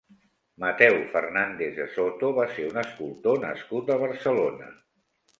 Mateu Fernández de Soto va ser un escultor nascut a Barcelona.